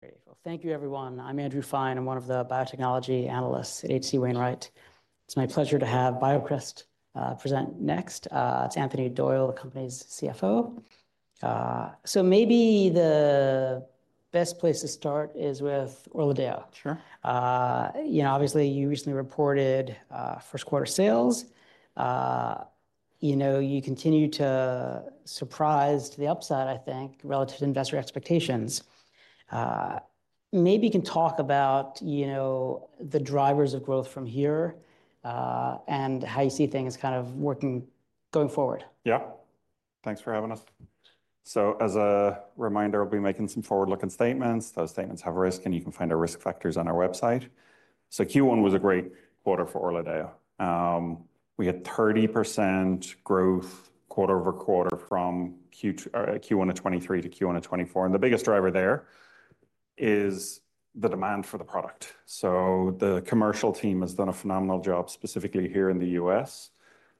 Great. Well, thank you, everyone. I'm Andrew Fein. I'm one of the biotechnology analysts at H.C. Wainwright. It's my pleasure to have BioCryst present next. It's Anthony Doyle, the company's CFO. So maybe the best place to start is with ORLADEYO. Sure. You know, obviously, you recently reported first quarter sales. You know, you continue to surprise to the upside, I think, relative to investor expectations. Maybe you can talk about, you know, the drivers of growth from here, and how you see things kind of working going forward. Yeah. Thanks for having us. So as a reminder, we'll be making some forward-looking statements. Those statements have risk, and you can find our risk factors on our website. So Q1 was a great quarter for ORLADEYO. We had 30% growth quarter-over-quarter from Q2... Q1 of 2023 to Q1 of 2024, and the biggest driver there is the demand for the product. So the commercial team has done a phenomenal job, specifically here in the U.S.,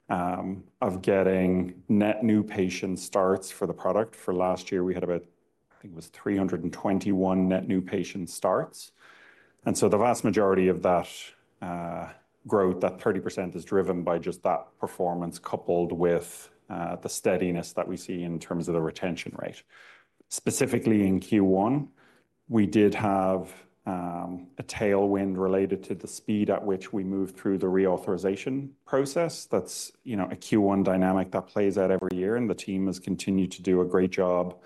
of getting net new patient starts for the product. For last year, we had about, I think it was 321 net new patient starts. And so the vast majority of that, growth, that 30% is driven by just that performance, coupled with, the steadiness that we see in terms of the retention rate. Specifically in Q1, we did have a tailwind related to the speed at which we moved through the reauthorization process. That's, you know, a Q1 dynamic that plays out every year, and the team has continued to do a great job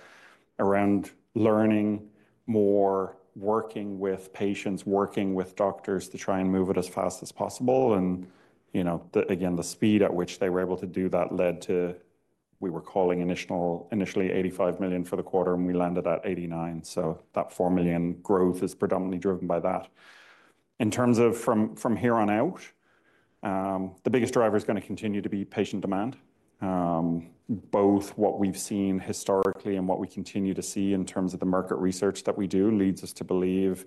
around learning more, working with patients, working with doctors to try and move it as fast as possible. And, you know, again, the speed at which they were able to do that led to... We were calling initially $85 million for the quarter, and we landed at $89 million, so that $4 million growth is predominantly driven by that. In terms of from here on out, the biggest driver is gonna continue to be patient demand. Both what we've seen historically and what we continue to see in terms of the market research that we do leads us to believe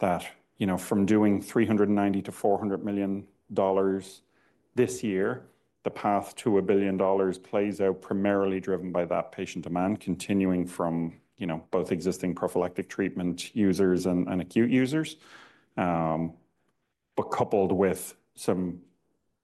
that, you know, from doing $390 million-$400 million this year, the path to $1 billion plays out primarily driven by that patient demand continuing from, you know, both existing prophylactic treatment users and, and acute users. But coupled with some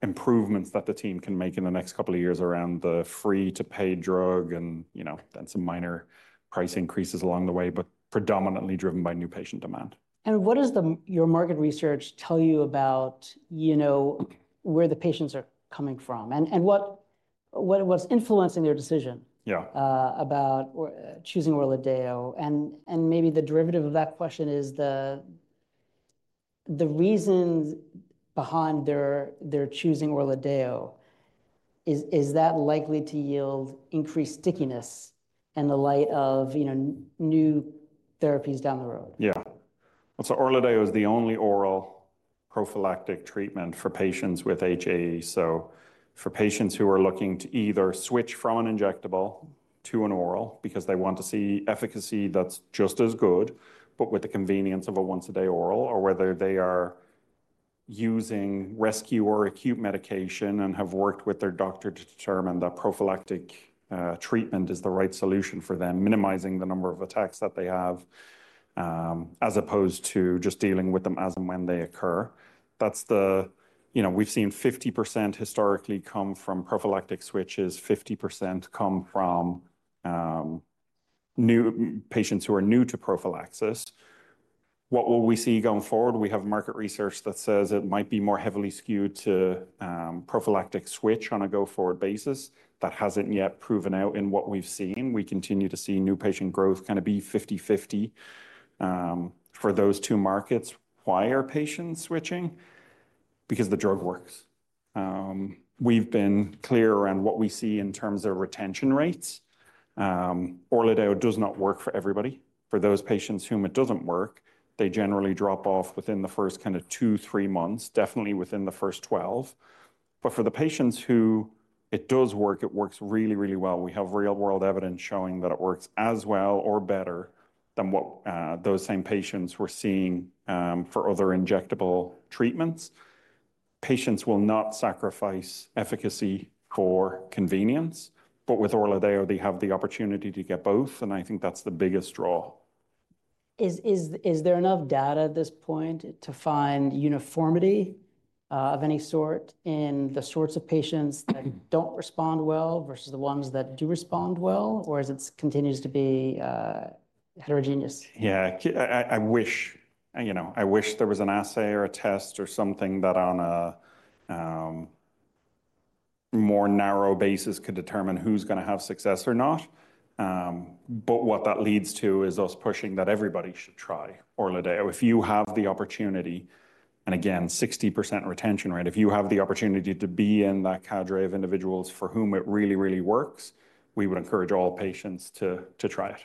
improvements that the team can make in the next couple of years around the free-to-paid drug and, you know, then some minor price increases along the way, but predominantly driven by new patient demand. What does your market research tell you about, you know, where the patients are coming from, and what’s influencing their decision- Yeah... about choosing ORLADEYO? And maybe the derivative of that question is the reasons behind their choosing ORLADEYO, is that likely to yield increased stickiness in the light of, you know, new therapies down the road? Yeah. And so ORLADEYO is the only oral prophylactic treatment for patients with HAE, so for patients who are looking to either switch from an injectable to an oral because they want to see efficacy that's just as good, but with the convenience of a once-a-day oral, or whether they are using rescue or acute medication and have worked with their doctor to determine that prophylactic treatment is the right solution for them, minimizing the number of attacks that they have, as opposed to just dealing with them as and when they occur. That's the... You know, we've seen 50% historically come from prophylactic switches, 50% come from new patients who are new to prophylaxis. What will we see going forward? We have market research that says it might be more heavily skewed to prophylactic switch on a go-forward basis. That hasn't yet proven out in what we've seen. We continue to see new patient growth kind of be 50/50 for those two markets. Why are patients switching? Because the drug works. We've been clear on what we see in terms of retention rates. ORLADEYO does not work for everybody. For those patients whom it doesn't work, they generally drop off within the first kind of two, three months, definitely within the first 12. But for the patients who it does work, it works really, really well. We have real-world evidence showing that it works as well or better than what those same patients were seeing for other injectable treatments. Patients will not sacrifice efficacy for convenience, but with ORLADEYO, they have the opportunity to get both, and I think that's the biggest draw. Is there enough data at this point to find uniformity of any sort in the sorts of patients that don't respond well versus the ones that do respond well, or is it continues to be heterogeneous? Yeah. I wish, you know, I wish there was an assay or a test or something that on a more narrow basis could determine who's gonna have success or not. But what that leads to is us pushing that everybody should try ORLADEYO. If you have the opportunity, and again, 60% retention rate, if you have the opportunity to be in that cadre of individuals for whom it really, really works, we would encourage all patients to try it.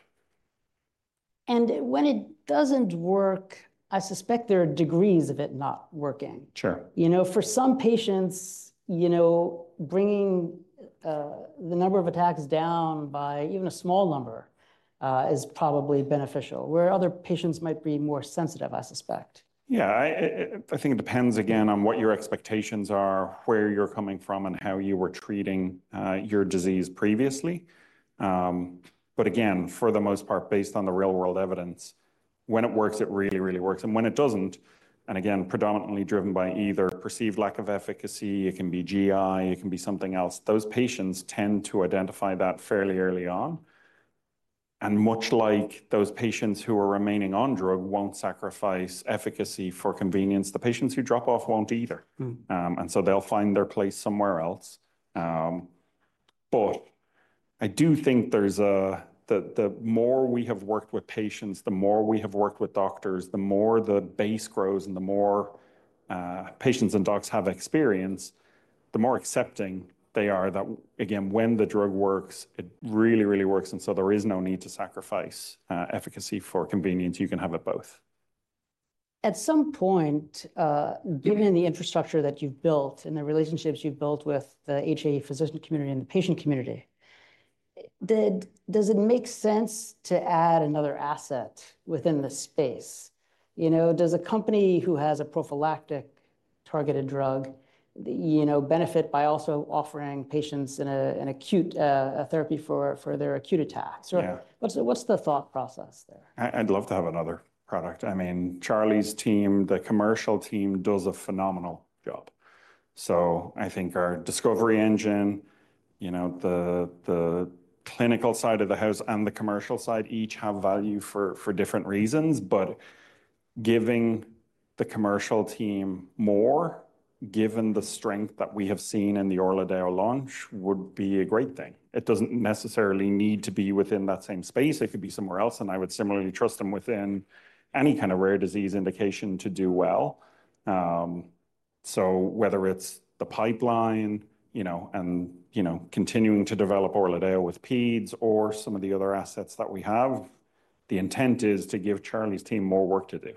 When it doesn't work, I suspect there are degrees of it not working. Sure. You know, for some patients, you know, bringing the number of attacks down by even a small number is probably beneficial, where other patients might be more sensitive, I suspect. Yeah, I think it depends again on what your expectations are, where you're coming from, and how you were treating your disease previously. But again, for the most part, based on the real-world evidence, when it works, it really, really works. And when it doesn't, and again, predominantly driven by either perceived lack of efficacy, it can be GI, it can be something else, those patients tend to identify that fairly early on. And much like those patients who are remaining on drug won't sacrifice efficacy for convenience, the patients who drop off won't either. Mmh. And so they'll find their place somewhere else. But I do think the more we have worked with patients, the more we have worked with doctors, the more the base grows, and the more patients and docs have experience, the more accepting they are that, again, when the drug works, it really, really works, and so there is no need to sacrifice efficacy for convenience. You can have it both. At some point, given the infrastructure that you've built and the relationships you've built with the HAE physician community and the patient community, does it make sense to add another asset within the space? You know, does a company who has a prophylactic targeted drug, you know, benefit by also offering patients an acute therapy for their acute attacks? Yeah. So what's the thought process there? I'd love to have another product. I mean, Charlie's team, the commercial team, does a phenomenal job. So I think our discovery engine, you know, the clinical side of the house and the commercial side each have value for different reasons. But giving the commercial team more, given the strength that we have seen in the ORLADEYO launch, would be a great thing. It doesn't necessarily need to be within that same space. It could be somewhere else, and I would similarly trust them within any kind of rare disease indication to do well. So whether it's the pipeline, you know, and you know, continuing to develop ORLADEYO with peds or some of the other assets that we have, the intent is to give Charlie's team more work to do.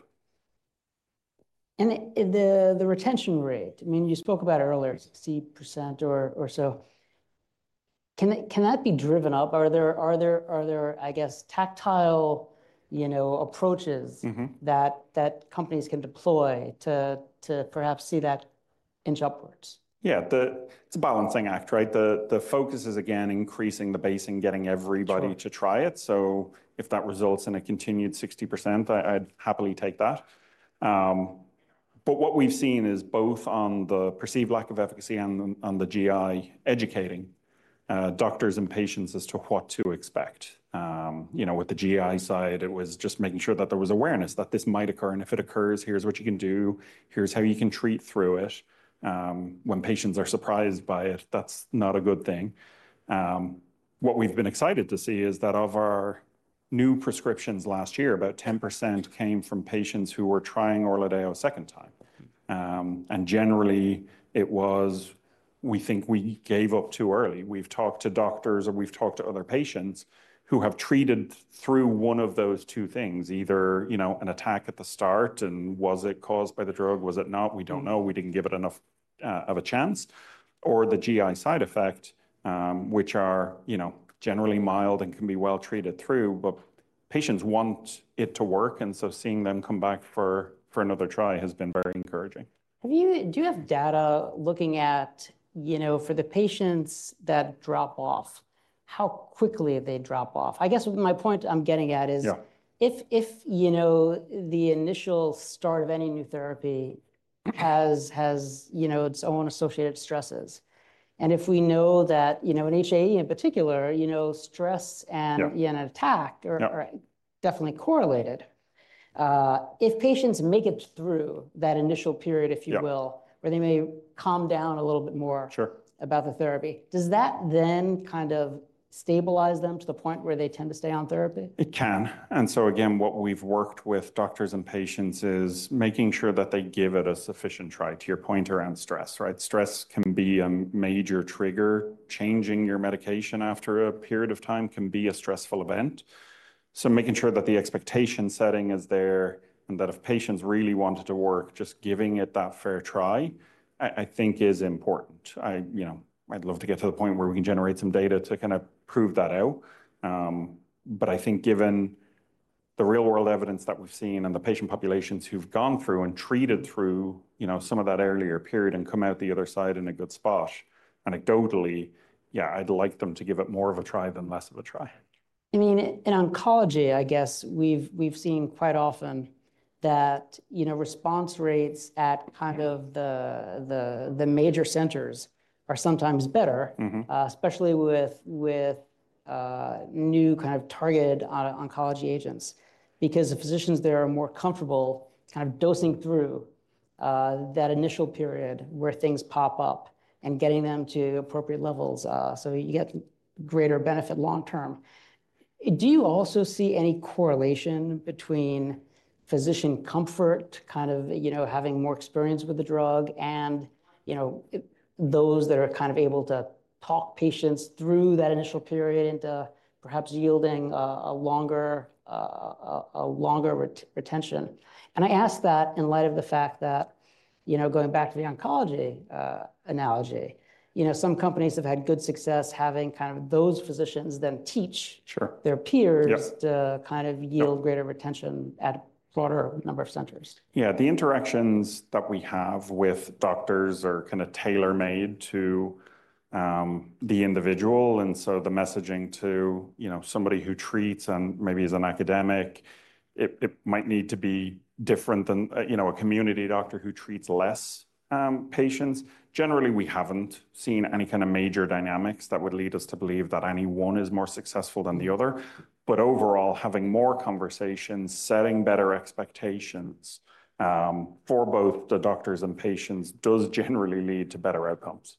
The retention rate, I mean, you spoke about earlier, 60% or so. Can that be driven up? Are there, I guess, tactical, you know, approaches- Mm-hmm. that companies can deploy to perhaps see that inch upwards? Yeah, it's a balancing act, right? The focus is, again, increasing the base and getting everybody- Sure. -to try it. So if that results in a continued 60%, I'd happily take that. But what we've seen is both on the perceived lack of efficacy and on the GI, educating doctors and patients as to what to expect. You know, with the GI side, it was just making sure that there was awareness that this might occur, and if it occurs, here's what you can do, here's how you can treat through it. When patients are surprised by it, that's not a good thing. What we've been excited to see is that of our new prescriptions last year, about 10% came from patients who were trying ORLADEYO a second time. And generally, it was: we think we gave up too early. We've talked to doctors, and we've talked to other patients who have treated through one of those two things, either, you know, an attack at the start, and was it caused by the drug, was it not? We don't know. We didn't give it enough of a chance. Or the GI side effect, which are, you know, generally mild and can be well treated through, but patients want it to work, and so seeing them come back for another try has been very encouraging. Do you have data looking at, you know, for the patients that drop off, how quickly they drop off? I guess my point I'm getting at is- Yeah... if you know, the initial start of any new therapy has you know, its own associated stresses, and if we know that, you know, in HAE in particular, you know, stress and- Yeah -an attack- Yeah —are definitely correlated, if patients make it through that initial period, if you will— Yeah -where they may calm down a little bit more- Sure about the therapy, does that then kind of stabilize them to the point where they tend to stay on therapy? It can. And so again, what we've worked with doctors and patients is making sure that they give it a sufficient try, to your point around stress, right? Stress can be a major trigger. Changing your medication after a period of time can be a stressful event. So making sure that the expectation setting is there, and that if patients really want it to work, just giving it that fair try, I, I think is important. I, you know, I'd love to get to the point where we can generate some data to kind of prove that out. But I think given the real-world evidence that we've seen and the patient populations who've gone through and treated through, you know, some of that earlier period and come out the other side in a good spot, anecdotally, yeah, I'd like them to give it more of a try than less of a try. I mean, in oncology, I guess we've seen quite often that, you know, response rates at kind of the major centers are sometimes better- Mm-hmm... especially with new kind of targeted oncology agents, because the physicians there are more comfortable kind of dosing through that initial period where things pop up and getting them to appropriate levels, so you get greater benefit long term. Do you also see any correlation between physician comfort, kind of, you know, having more experience with the drug and, you know, those that are kind of able to talk patients through that initial period into perhaps yielding a longer retention? And I ask that in light of the fact that, you know, going back to the oncology analogy, you know, some companies have had good success having kind of those physicians then teach- Sure -their peers- Yep to kind of yield Yeah greater retention at a broader number of centers. Yeah, the interactions that we have with doctors are kind of tailor-made to the individual, and so the messaging to, you know, somebody who treats and maybe is an academic, it might need to be different than, you know, a community doctor who treats less patients. Generally, we haven't seen any kind of major dynamics that would lead us to believe that any one is more successful than the other. But overall, having more conversations, setting better expectations for both the doctors and patients, does generally lead to better outcomes.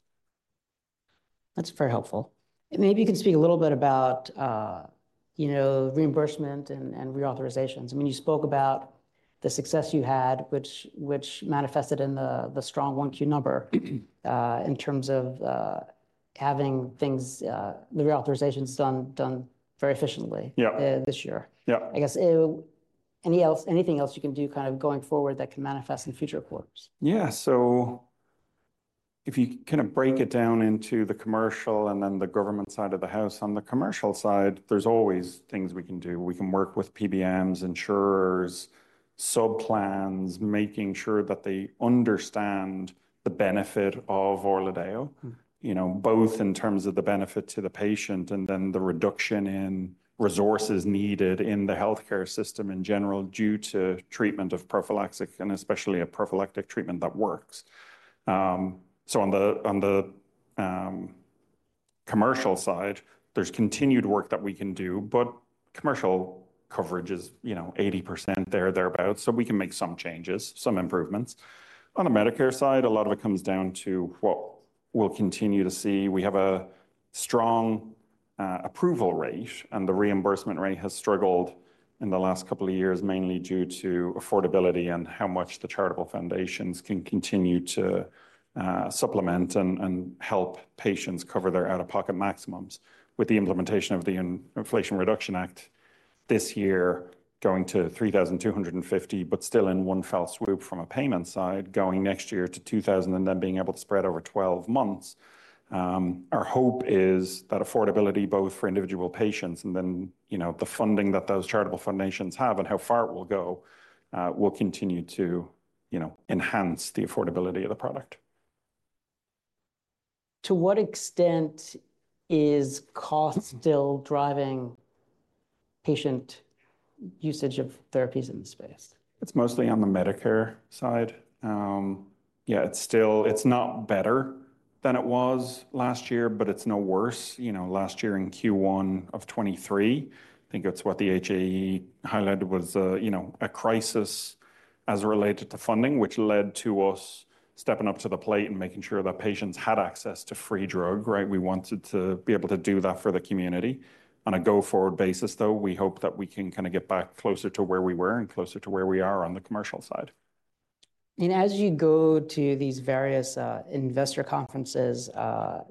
That's very helpful. Maybe you can speak a little bit about, you know, reimbursement and reauthorizations. I mean, you spoke about the success you had, which manifested in the strong 1Q number, in terms of having things, the reauthorizations done very efficiently- Yeah. This year. Yeah. I guess, anything else you can do kind of going forward that can manifest in future quarters? Yeah. So if you kind of break it down into the commercial and then the government side of the house, on the commercial side, there's always things we can do. We can work with PBMs, insurers, sub-plans, making sure that they understand the benefit of ORLADEYO... Mmh. You know, both in terms of the benefit to the patient, and then the reduction in resources needed in the healthcare system in general, due to treatment of prophylactic, and especially a prophylactic treatment that works. So on the commercial side, there's continued work that we can do, but commercial coverage is, you know, 80% there, thereabout, so we can make some changes, some improvements. On the Medicare side, a lot of it comes down to what we'll continue to see. We have a strong approval rate, and the reimbursement rate has struggled in the last couple of years, mainly due to affordability and how much the charitable foundations can continue to supplement and help patients cover their out-of-pocket maximums. With the implementation of the Inflation Reduction Act this year, going to $3,250, but still in one fell swoop from a payment side, going next year to $2,000, and then being able to spread over 12 months. Our hope is that affordability, both for individual patients and then, you know, the funding that those charitable foundations have and how far it will go, will continue to, you know, enhance the affordability of the product. To what extent is cost still driving patient usage of therapies in the space? It's mostly on the Medicare side. Yeah, it's still... It's not better than it was last year, but it's no worse. You know, last year in Q1 of 2023, I think that's what the HAE highlighted was, you know, a crisis as related to funding, which led to us stepping up to the plate and making sure that patients had access to free drug, right? We wanted to be able to do that for the community. On a go-forward basis, though, we hope that we can kind of get back closer to where we were and closer to where we are on the commercial side. As you go to these various investor conferences,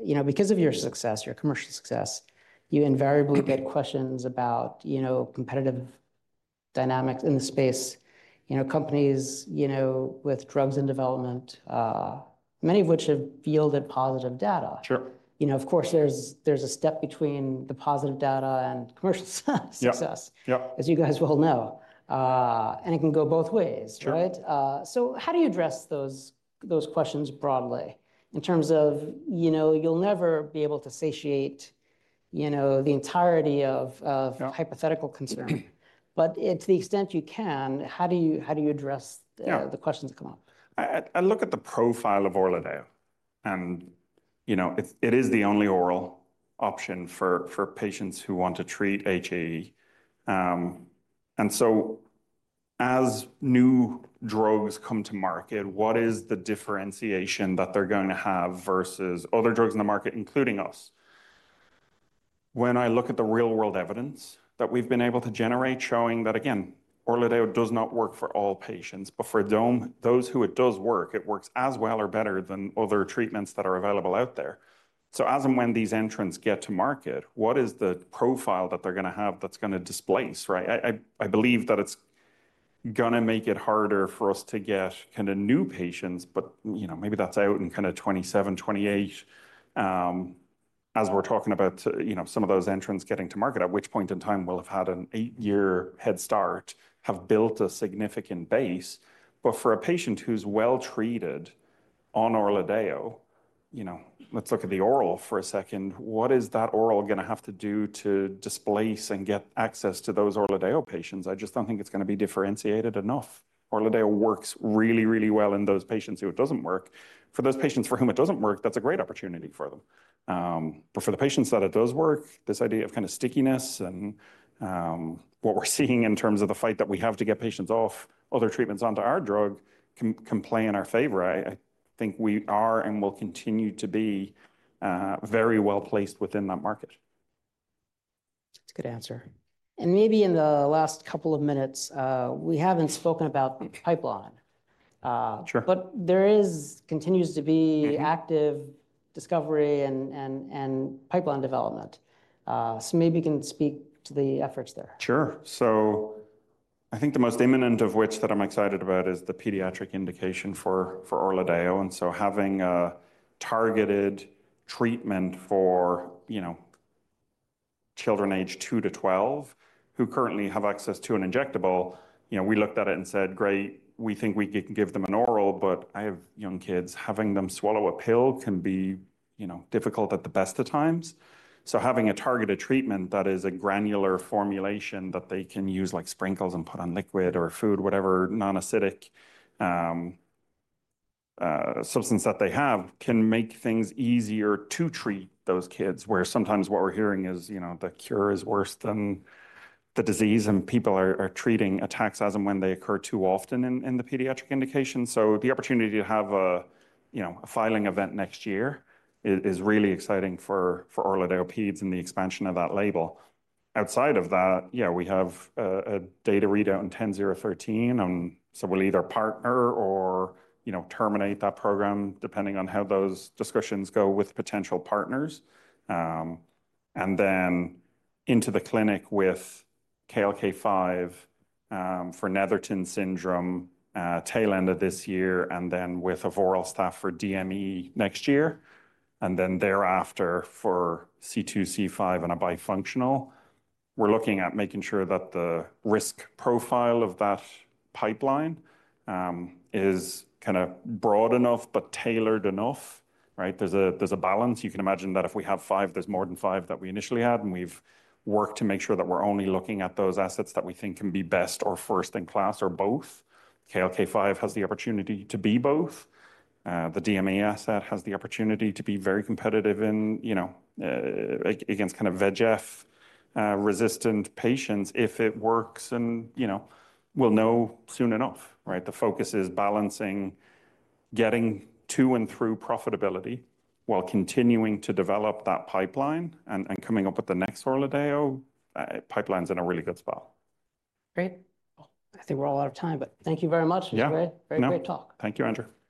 you know, because of your success, your commercial success, you invariably get questions about, you know, competitive dynamics in the space. You know, companies, you know, with drugs in development, many of which have yielded positive data. Sure. You know, of course, there's a step between the positive data and commercial success- Yeah, yeah. - As you guys well know. And it can go both ways, right? Sure. So, how do you address those questions broadly, in terms of, you know, you'll never be able to satiate, you know, the entirety of, of- Yeah... hypothetical concern? But to the extent you can, how do you, how do you address- Yeah... the questions that come up? I look at the profile of ORLADEYO, and, you know, it is the only oral option for patients who want to treat HAE. And so as new drugs come to market, what is the differentiation that they're going to have versus other drugs in the market, including us? When I look at the real-world evidence that we've been able to generate, showing that, again, ORLADEYO does not work for all patients, but for some- those who it does work, it works as well or better than other treatments that are available out there. So as and when these entrants get to market, what is the profile that they're gonna have that's gonna displace, right? I believe that it's gonna make it harder for us to get kind of new patients, but, you know, maybe that's out in kind of 2027, 2028. As we're talking about, you know, some of those entrants getting to market, at which point in time we'll have had an eight-year head start, have built a significant base. But for a patient who's well-treated on ORLADEYO, you know, let's look at the oral for a second. What is that oral gonna have to do to displace and get access to those ORLADEYO patients? I just don't think it's gonna be differentiated enough. ORLADEYO works really, really well in those patients who it doesn't work. For those patients for whom it doesn't work, that's a great opportunity for them. But for the patients that it does work, this idea of kind of stickiness and, what we're seeing in terms of the fight that we have to get patients off other treatments onto our drug, can play in our favor. I think we are and will continue to be very well placed within that market. That's a good answer. Maybe in the last couple of minutes, we haven't spoken about the pipeline. Sure. but there continues to be- Mm-hmm... active discovery and pipeline development. So maybe you can speak to the efforts there. Sure. So I think the most imminent of which that I'm excited about is the pediatric indication for ORLADEYO, and so having a targeted treatment for, you know, children aged 2-12, who currently have access to an injectable. You know, we looked at it and said, "Great, we think we can give them an oral," but I have young kids. Having them swallow a pill can be, you know, difficult at the best of times. So having a targeted treatment that is a granular formulation that they can use like sprinkles and put on liquid or food, whatever non-acidic substance that they have, can make things easier to treat those kids, where sometimes what we're hearing is, you know, the cure is worse than the disease, and people are treating attacks as and when they occur too often in the pediatric indication. So the opportunity to have a, you know, a filing event next year is really exciting for, for ORLADEYO peds and the expansion of that label. Outside of that, yeah, we have a, a data readout on ten 10013, so we'll either partner or, you know, terminate that program, depending on how those discussions go with potential partners. And then into the clinic with KLK5 for Netherton syndrome, tail end of this year, and then with avoralstat for DME next year, and then thereafter for C2, C5, and a bifunctional. We're looking at making sure that the risk profile of that pipeline is kind of broad enough, but tailored enough, right? There's a, there's a balance. You can imagine that if we have 5, there's more than 5 that we initially had, and we've worked to make sure that we're only looking at those assets that we think can be best or first in class or both. KLK5 has the opportunity to be both. The DME asset has the opportunity to be very competitive in, you know, against kind of VEGF resistant patients, if it works, and, you know, we'll know soon enough, right? The focus is balancing, getting to and through profitability, while continuing to develop that pipeline and coming up with the next ORLADEYO. Pipeline's in a really good spot. Great. Well, I think we're all out of time, but thank you very much- Yeah... Great, very great talk. Thank you, Andrew. Thanks.